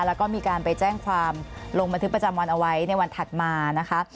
แล้วก็มีการไปแจ้งความลงบันทึกประจำวันเอาไว้ในวันถัดมานะคะ